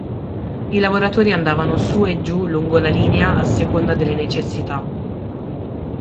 I lavoratori andavano su e giù lungo la linea a seconda delle necessità.